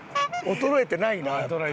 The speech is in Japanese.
衰えてない。